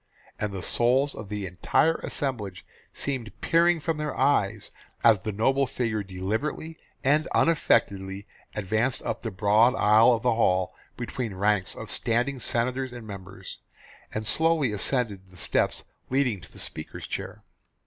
And the souls of the entire assemblage seemed peering from their eyes as the noble figure deliberately and unaffectedly advanced up the broad aisle of the hall between ranks of standing senators and members, and slowly ascended the steps leading to the speaker's chair.